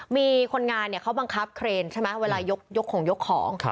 มีคนงานเขาบังคับเครนใช่ไหมเวลายกของยกของ